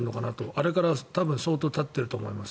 あれから多分相当たっていると思います。